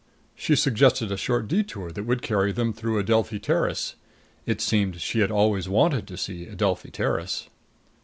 She suggested a short detour that would carry them through Adelphi Terrace. It seemed she had always wanted to see Adelphi Terrace.